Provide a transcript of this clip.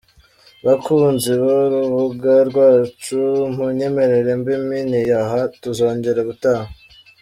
Bakunzi b’urubuga rwacu munyemerere mbe mpiniye aha tuzongera ubutaha.